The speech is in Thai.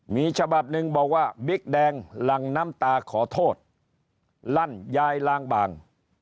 มีฉบับหนึ่งบอกว่าบิ๊กแดงหลังน้ำตาขอโทษลั่นยายล้างบาง